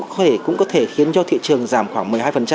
các nhà đầu tư cũng có thể khiến cho thị trường giảm khoảng một mươi hai